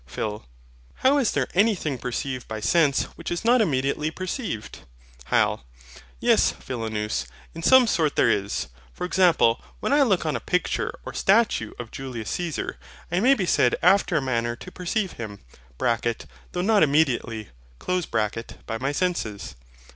PHIL. Howl Is there any thing perceived by sense which is not immediately perceived? HYL. Yes, Philonous, in some sort there is. For example, when I look on a picture or statue of Julius Caesar, I may be said after a manner to perceive him (though not immediately) by my senses.